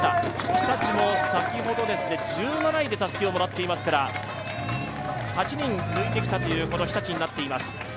日立も先ほど１７位でたすきをもらっていますから８人抜いてきたというこの日立になっています。